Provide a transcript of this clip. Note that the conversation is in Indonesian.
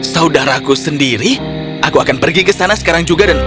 saudaraku sendiri aku akan pergi ke sana sekarang juga dan